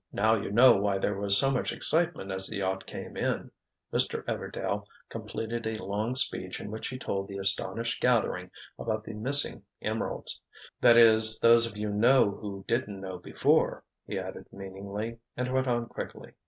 "Now you know why there was so much excitement as the yacht came in," Mr. Everdail completed a long speech in which he told the astonished gathering about the missing emeralds. "That is, those of you know who didn't know before," he added meaningly, and went on quickly.